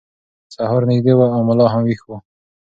سهار نږدې و او ملا هم ویښ و.